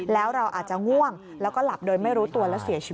แล้วเราอาจจะง่วงแล้วก็หลับโดยไม่รู้ตัวและเสียชีวิต